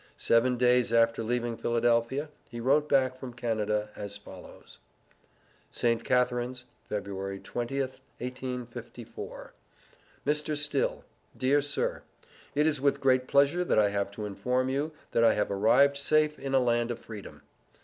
Seven days after leaving Philadelphia, he wrote back from Canada as follows: ST. CATHARINES, Feb. 20th, 1854. MR. STILL DEAR SIR: It is with great pleasure that I have to inform you, that I have arrived safe in a land of freedom.